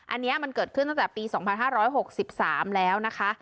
อันนี้มันเกิดขึ้นตั้งแต่ปี๒๕๖๓แล้วนะคะ